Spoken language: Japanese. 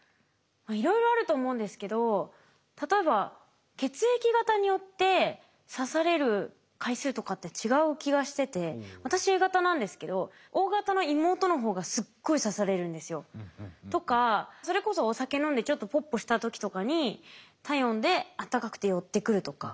いろいろあると思うんですけど例えば血液型によって刺される回数とかって違う気がしてて私Ａ型なんですけどＯ型の妹の方がすっごい刺されるんですよ。とかそれこそお酒飲んでちょっとポッポした時とかに体温であったかくて寄ってくるとか。